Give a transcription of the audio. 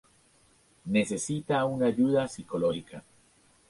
Necesita una ayuda psicológica.